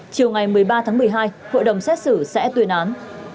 chiều ngày một mươi ba tháng một mươi hai hội đồng xét xử sẽ tuyên án